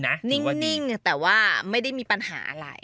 นิ่งแต่ว่าไม่ได้มีปัญหาอะไร